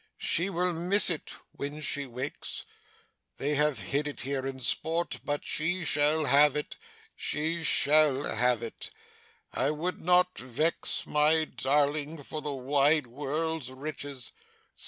'She will miss it when she wakes. They have hid it here in sport, but she shall have it she shall have it. I would not vex my darling, for the wide world's riches.